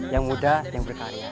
yang muda yang berkarya